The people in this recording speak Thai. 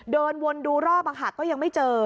เดินวนดูรอบก็ยังไม่เจอ